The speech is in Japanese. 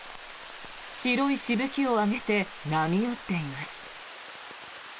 白いしぶきを上げて波打っています。